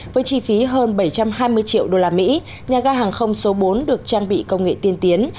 với chi phí hơn bảy trăm hai mươi triệu đô la mỹ nhà ga hàng không số bốn được trang bị công nghệ tiên tiến